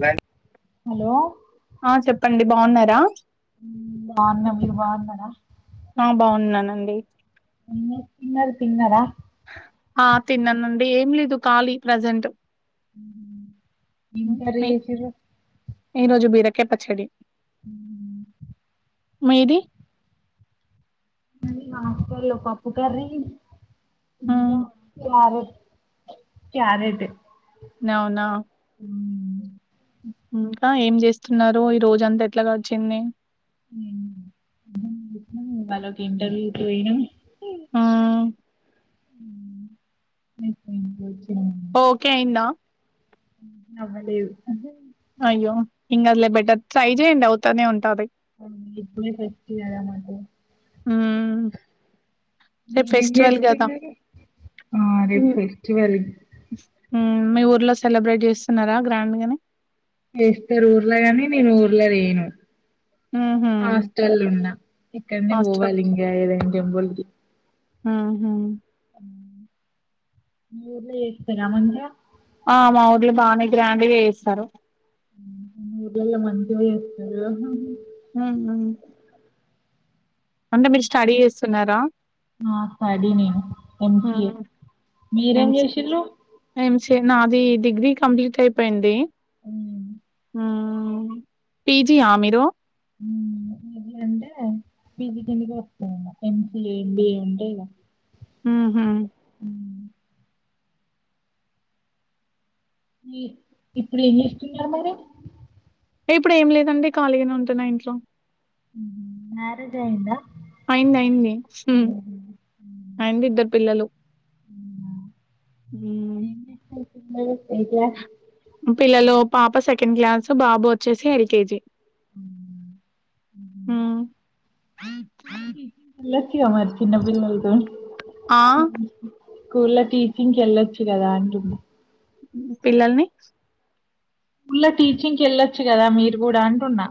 లే హలో ఆ చెప్పండి బాగున్నారా బాగున్నా మీరు బాగున్నారా ఆ బాగున్నానండి ఏం చేస్తున్నారు తిన్నార ఆ తిన్నానండి ఏం లేదు ఖాళీ ప్రజెంట్ ఉహు ఏం కర్రీ చేసిర్రు ఈ రోజు బీరకయ్ పచ్చడి ఉహు మీది ఆకుకూర పప్పు కర్రీ ఉమ్ ఇంకా చారు క్యారెట్ అవునా మ్మ్. ఆ ఏం చేస్తున్నారు ఈ రోజంతా ఎట్ల గడిచింది ఇవాళ ఒక ఇంటర్వ్యూ కి పోయినం ఉమ్ [inaudible] ఓకే అయిందా అవ్వలేదు అయ్యో ఏం కాదులే బెటర్ ట్రై జేయండి అవుతనే ఉంటది హ్మ్ ఇప్పుడే పెట్టి ఉమ్ రేపు మీరేం ఫెస్టివల్ కదా చేస్తున్నారు ఆ అదే ఫెస్టివల్ ఉమ్ మీ ఊర్లో సెలబ్రేట్ చేస్తున్నారా గ్రాండ్ గానే చేస్తారు ఊర్లో గాని నేను ఊర్లో లేేను ఉహు హాస్టల్లో ఉన్నా ఇక్కడనే పోవాలి ఇంకా ఏదైనా టెంపుల్ కి ఆ హా హ్మ్ ఊర్లో చేస్తారా మంచిగా ఆ మా ఊర్లో బానే గ్రాండ్ గా చేస్తారు హ్మ్ హు ఊర్లల్లో మంచిగా చేస్తారు కదా ఉమ్ చేస్తున్నారా? హ్మ్ ఆ స్టడీ నేను మ్ సి ఏ హ్మ్. మీరేం ఎంసీ చేశిల్లు ఎంసీఏ నాది డిగ్రీ కంప్లీట్ అయిపోయింది ఉమ్ హ్మ్ పిజియా మీరు హ్మ్ హు హా అంటే పిజి కిందికే వస్తాయి ఏమో ఎంసిఏ ఎంబిఏ ఉంటే ఇలా హ్మ్ హు ఫ్రీ ఇప్పుడు ఏం చేస్తున్నారు మరి టే ఇప్పుడు ఏం లేదండి ఖాళీగానే ఉంటున్నా ఇంట్లో హ్మ్ హు మ్యారేజ్ అయ్యిందా అయ్యింది అయ్యింది అయింది హ్మ్ ఇద్దరు పిల్లలు ఊమ్ ఏట్ [inaudible] పిల్లలు పాప సెకండ్ క్లాస్ బాబు వచ్చేసి ఎల్కేజీ హ్మ్. క గా మరి చిన్న పిల్లలతో ఆ! స్కూల్లో టీచింగ్ కి వెళ్ళొచ్చు కదా అంటుంది పిల్లల్ని స్కూల్లో టీచింగ్ కి వెళ్ళొచ్చు కదా మీరు కూడా అంటున్నా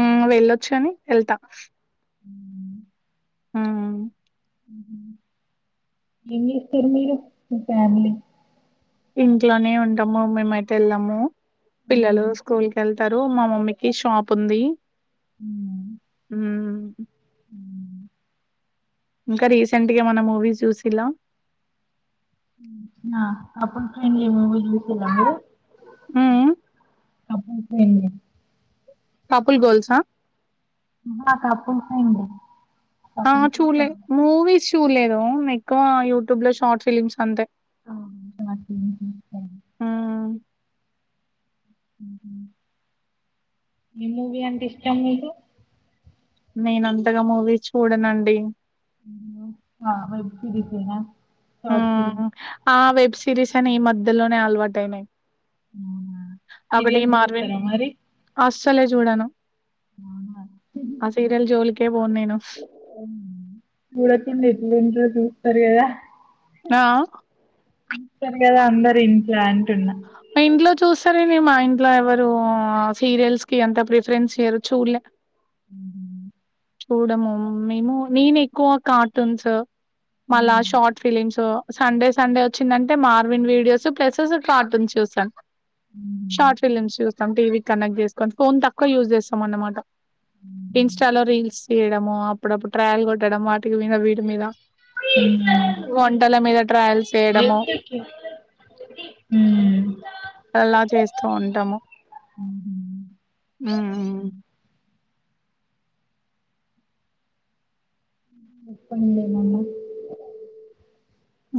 ఆ వెళ్ళొచ్చు కాని వెళ్తా ఆ హ్మ్ ఏమి చేస్తారు మీరు మీ ఫ్యామిలీ ఇంట్లోనే ఉంటాము మేమైతే వెళ్ళాము పిల్లలు స్కూల్ కి వెళ్ తరు మా మమ్మీకి షాప్ ఉంది హ్మ్మ్ ఉమ్ ఇంకా రీసెంట్ గా ఏమన్న మూవీ చూసిల్లా ఉమ్ ఆ కపుల్ ఫ్రెండ్లీ మూవీ చూసిర్రా మీరు హ్మ్ అప్పు స [inaudible] కాపుల్ గోల్సా ఆహా కపుల్స్ అండి ఆ చుల్లే మూవీస్ చూడలేదు ఎక్కువ యూట్యూబ్ లో షార్ట్ ఫిలిమ్స్ అంతే [unintelligible] ఆ ఉ హు ఎ మూవీ అంటే ఇష్టం మీకు నేన అంతగా మూవీస్ చూడనండి నేను ఆ వెబ్ సిరీస్ ఏనా మ్ ఆ వెబ్ సిరీస్ ఐన ఈ మధ్యలోనే అలవాటుయినాయి అవునా? ఒకటి సీరియల్ ఈ మార్విన్ చూస్తారా మరి? అస్సలే చూడను అవునా? ఆ సీరియల్ జోలికే పోను నేను దూరకుండ ఎట్లు ఉంట చూస్తారు కదా ఆ! ఉంటారు కదా అందరు ఇంట్లో అంటున్నా మా ఇంట్లో చూస్తార మా ఇంట్లో ఎవరు సీరియల్స్ కి ఎంత ప్రిఫరెన్స్ చేయ్యరు చూడలే మ్ హు చూడము మేము నేను ఎక్కువ కార్టూన్స్ మళ్ళా హ్మ్. షార్ట్ ఫిలిమ్స్ సండే సండే వచ్చిందంటే మార్విన్ వీడియోస్ ప్లేస్ కార్టూన్ చూస్తాను హుహు. హ్మ్. షార్ట్ ఫిలిమ్స్ చూస్తాం టీవీ కనెక్ట్ చేసుకొని ఫోన్ తక్కువ యూజ్ చేస్తాం అన్నమాట ఇన్స్టాలో రీల్స్ తీయడము అప్పుడప్పుడు ట్రాయల్ కొట్టడం వాటి మీద వీటి మీద మ్ వంటల మీద ట్రయల్స్ చేయడము మ్ అల్లా చేస్తూ ఉంటాము హుహు. మ్ హ్మ్. చెప్పండి ఏమన్నా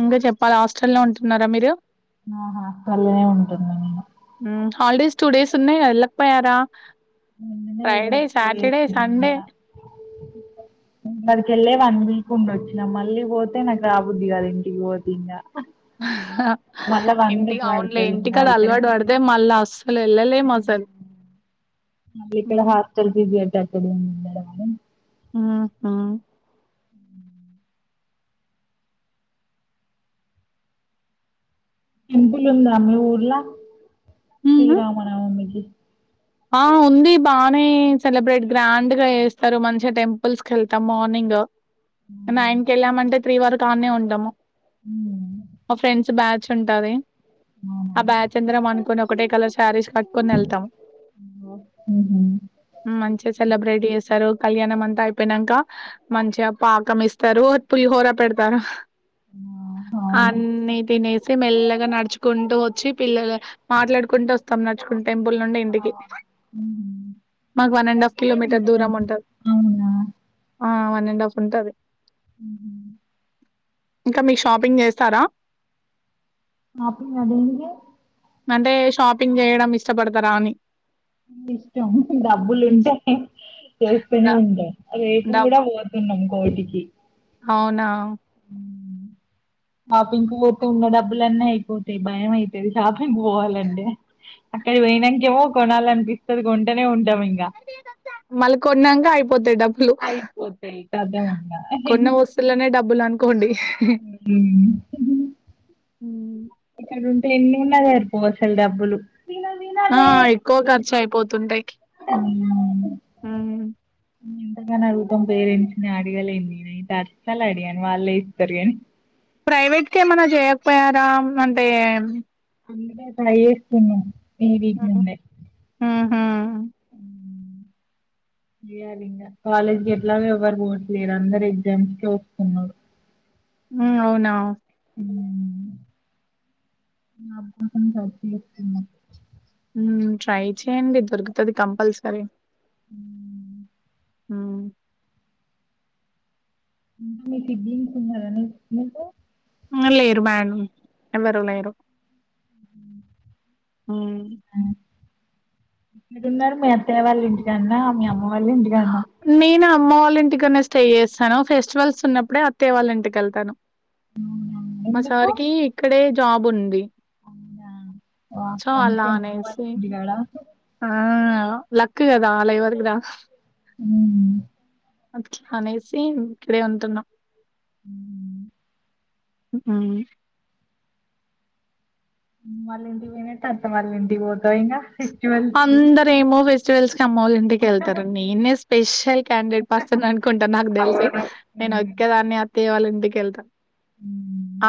ఇంగా చెప్పాలి హాస్టల్ లో ఉంటున్నారా మీరు ఆహా! హాస్టల్‌లోనే ఉంటున్నా నేను. హ్మ్. మ్ హాలిడేస్ టూ డేస్ ఉన్నాయి ఎలా పోయారా మొన్ననే ఫైడే ఉగాదికి సాటర్డే పోయొచ్చినం సండే గదా! అక్కడికి వెళ్లే వన్ వీక్ ఉండి వచ్చినా మళ్ళీ పోతే నాకు రాబద్ది కదు ఇంటికి పోదు ఇంగా హ ఆ మళ్ళా వన్ ఇంటికి వీక్ అవునులే పడుతది ఇంగా ఇంటికాడ ఇక్కడ అలవాటు పడితే మళ్ళా అస్సలు వెళ్లలేం అసలు ఇక్కడ మ్మ్ హాస్టల్ ఫీజు [unintelligible] ఆహా టెంపుల్ ఉందా మీ ఊర్లా హుహు. శ్రీరామ నవమికి ఆ ఉంది బానే సెలబ్రేట్ గ్రాండ్ గా చేస్తారు మంచిగా టెంపుల్స్ కి వెళ్తాం మార్నింగ్ అవునా నైన్ కెళ్ళామంటే త్రీ వరకు ఆనే ఉంటము ఉమ్ మా ఫ్రెండ్స్ బ్యాచ్ ఉంటది అవునా ఆ బ్యాచ్ అందరం అనుకుని ఒకటే కలర్ శారీస్ కట్టుకొని వెళ్తాం మ్ హు మంచిగా సెలబ్రేట్ చేస్తారు కళ్యాణం అంతా అయిపోనాక మంచిగా పాకం ఇస్తారు పులి హోర పెడతారు ఆ అవును అన్ని తినేసి మెల్లగా నడుచుకుంటూ వచ్చి పిల్లలు మాట్లాడుకుంటూ వస్తాం నా టెంపుల్ నుండి ఆ ఇంటికి ఉహు మాకు వన్ అండ్ హాఫ్ దగ్గరే కిలోమీటర్ ఉంటదా దూరం ఉంటది అవునా ఆ వన్ అండ్ హాఫ్ ఉంటది మ్ హు ఇంకా మీ షాపింగ్ చేస్తారా అప్పుడ [unintelligible] అంటే షాపింగ్ చేయడం ఇష్టపడతారా అని ఇష్టం హ్మ్. డబ్బులుంటే చేస్తూనే డా ఉంటాం రేపు గుడా పోతున్నాం కోటికి ఔనా ఉ షాపింగ్కు పోతె ఉన్న డబ్బులన్నీ ఐపోతాయ్ భయం ఐతది షాపింగ్ బోవాలంటే క్కడికి పోయ్నంకేమో కొనాలి అనిపిస్తది కొంటనే ఉంట్ మళ్ కొన్నంక ఐపోతయ్ డబ్ ఐపోతయ్ కద ఉన్నా కొన్న ఉమ్ వస్తువులనే డబ్బులనుకోండి. ఉమ్ హ ఇక్కడ ఉంటే ఎన్నున్నా సరిపోవసలు డబ్బులు ఆ ఎక్కువ ఖర్చైపోతుంటయ్ ఆ ఎంతకని అడుగుతం పేరెంట్స్ని అడగలేన్ నెనైతే అసాలడగను వాళ్లే ఇత్తరు గనీ ప్రైవేట్ కేమనా జేయక్పోయారా అంటే దుకే ట్రై చేస్తున్నా ఇ వీక్ హ్మ్. నుండే హుహు. అ చేయలిగా కాలేజ్ కెట్లాగో ఎవ్వరు పోవట్లేరు అందరు ఎగ్జామ్స్కే ఒస్తున్నరు ఉ ఔనా అబ మ్ ట్రై చేయండి దొరుక్తది కంపల్సరీ మ్ మీ సిబ్లింగ్స్ ఉన్నరా నిక్ మీకు అ లేరు మ్యాడం ఎవరు లేరు అ ఆ క్కడున్నరు మీ అత్తయ్య వాళ్ళ ఇంటికాన్నా మీ అమ్మ వాళ్ళ ఇంటికాన్నా నేను అమ్మ వాళ్ళ ఇంటికన్నే స్టే చేస్తాన ఫెస్టివల్స్ ఉన్నప్పుడే అత్తయ్య వాళ్ళ ఇంటికెళ్తాను మ సార్కి ఇక్కడే జాబుంది ఔనా వా మంచి అలా అమ్వల్ల అనేసి ఇంటికాడ ఆ లక్ గదా అలైవరుకురాద్ ఊమ్ అట్లానేసి ఇక్కడే ఉంటున్నం ఉమ్ ఊ మల్లింటి వైనంక అత్త వాళ్లింటికి పోతవా ఇంగ ఫెస్టివల్స్ కి అందరేమో ఫెస్టివల్స్క్ అమ్మోళ్ళింటికెళ్తరు నేనే స్పెషల్ క్యాండెడ్ పర్సన్ అన్ కుంట నాక్ తెల్సి అవును నేను మ్మ్ ఒక్కే దాన్నే అత్తయ వాళ ఇంటికెళ్త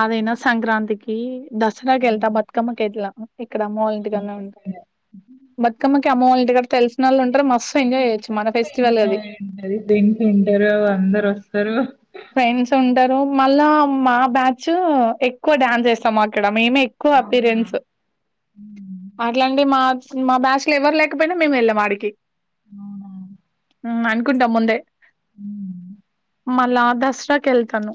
అదైన సంక్రాంతికి, దసరాకేళ్త, బతుకమ్మ కేట్లాగు ఇక్కడ అమ్మ వాళ్ళంటికన్నే ఉంట మ్మ్ బతుకమ్మకి అమ్మ వాళ్ంటికాడ తెల్సినోళ్ళు ఉంటరు మస్ ంటారుంటది దం ఉంటారు అందరొస్తరు ఫ్రెండ్స్ ఉంటరు మళ్ళా మా బ్యాచ్ ఎక్కువ డ్యాన్స్ ఏస్తమ్ అక్కడ మేమే ఎక్కువ అప్పిరియన్స్ హ్మ్ అట్లంటి మా మా బ్యాచ్ల ఎవర్ లేకపోయిన మేమ్ ఎల్లం ఆడికి ఔనా ఉమ్ అనుకుంట ముందే ఉమ్ మళ్ళా దసరకెళ్తను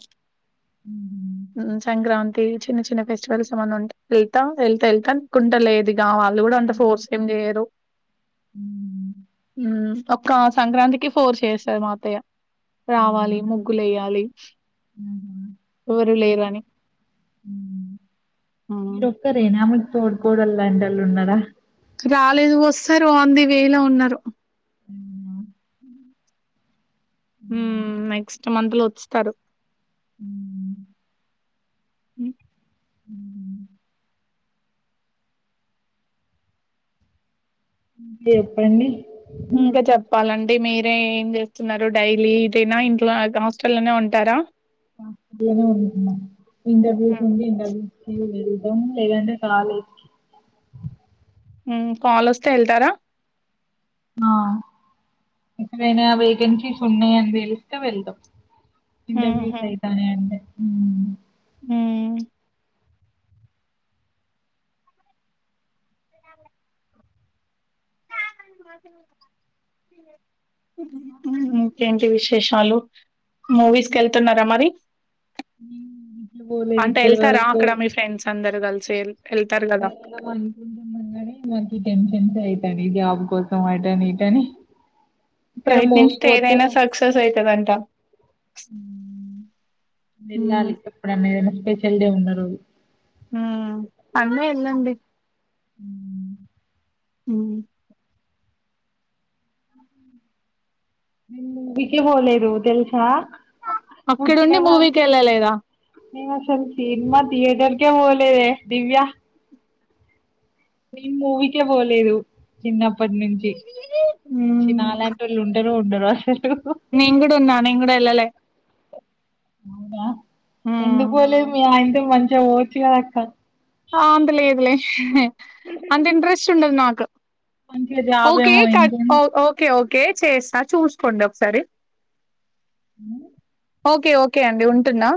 ఉమ్ మ్ సంక్రాంతి చిన్న చిన్న ఫెస్టివల్స్ ఏమన్నా ఉంటె ఎళ్తా ఎళ్తా ఎళ్తా కుంట లేది ఆ వాళ్ళు గుడా ఊహూ. అంత హ్మ్. ఫోర్స్ ఏం జేయరు హ్మ్. ఊమ్ ఒక్క సంక్రాంతికి ఫోర్ చేస్తాది మా అత్తయ్య రావాలి హ్మ్. ముగ్గులు వేయాలి ఎవరు లేరని హ్మ్ మీరు ఒక్కరేనామెకు తోడుకోడలు లాంటి వాళ్ళు ఉన్నారా రాలేదు వస్తారు ఆన్ ది వే లో ఉన్నారు అవునా? ఉ హ్మ్. నెక్స్ట్ మంత్ లో వచ్చుస్తారు ఉ ఉ ఉ చెప్పండి ఇంకా చెప్పాలండి డి మీరే ఏం చేస్తున్నారు డైలీ ఇదైనా ఇంట్లో హాస్టల్లోనే ఉంటారా ఆ ఇంట్లోనే ఉంటున్న ఇంటర్వ్యూ నుండి ఇంటర్వ్యూ వెల్ ఏం లేదంటే కాలేజీకి ఉ కాల్ వస్తే వెళ్తారా ఆ ఎక్కడైనా వేగెన్సీస్ ఉన్నాయి అని తెలిస్తే వెళ్దాం ఇంటర్వ్యూస్ మ్హూ అయితన్నాయి అంటే ఉ మ్మ్ అ ఉ ఇంకేంటి విష్ విశేషాలు మూవీస్ కి వెళ్తున్నారా మరి నేను గిట్ల పోలేదు అంటే ఇప్పటి వెళ్తారా వరకు. అక్కడ మీ ఫ్రెండ్స్ అందరు కల్ వెళ్దాం అనుకుంటాము కానీ మళ్ళకి టెన్షన్స్ అయి ఈదని జాబ్ కోసం అటనిట అని ప్రయత్నించితే ఏదైనా సక్సెస్ అవుతుందంట వెళ్లాలి ఎప్పుడన్నా ఏదైనా స్పెషల్ డే ఉన్న రోజు ఉ అన్ని వెళ్ళండి ఉ ఉ ఉ మూవీకె పోలేదు తెలుసా అక్కడ ఉండి మూవీకి వెళ్ళలేదా నేను అసలు సినిమా థియేటర్ కె పోోలేదే దివ్యా నేను మూవీకే పోలేదు చిన్న అప్ ఇప్పటి నుంచి చిన్నాలలాంటి వాళ్ళు ఉంటారో ఉండరో అసలు నేను కూడాడ ఉన్నా నేను కూడా వెళ్లలే అవునా ఎందుకు పోలేదు మీ ఆయతో మంచిగా ఓచ్చు కదా అక్క ఆ అంత లేదులే అంత ఇంటంట్రెస్ట్ ఉండదు నక్ మంచిగా జాబ్ ఓకే ఏమో కక్ ఇంకేంది ఓకే ఓకే కే చేస్తా చూసుకోండి ఒకసారి ఉ ఓకే ఓకే అండి ఉంటున్నా